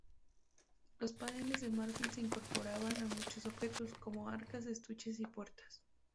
Los paneles de marfil se incorporaban a muchos objetos, como arcas, estuches y puertas.